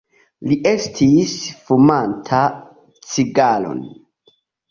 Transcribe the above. Li estis fumanta cigaron.